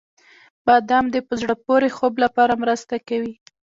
• بادام د په زړه پورې خوب لپاره مرسته کوي.